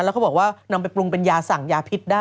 แล้วเขาบอกว่านำไปปรุงเป็นยาสั่งยาพิษได้